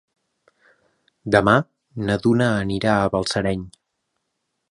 Demà na Duna anirà a Balsareny.